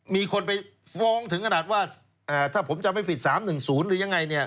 มีคนไปฟ้องถึงขนาดว่าถ้าผมจำไม่ผิด๓๑๐หรือยังไงเนี่ย